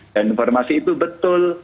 dan informasi itu betul